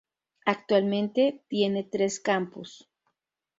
Actualmente tiene tres campus.